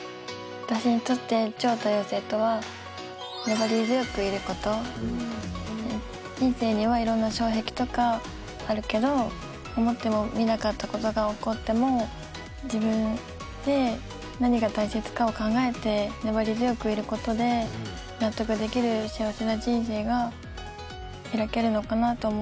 私にとって超多様性とは人生にはいろんな障壁とかあるけど思ってもみなかったことが起こっても自分で何が大切かを考えて粘り強くいることで納得できる幸せな人生が開けるのかなと思って。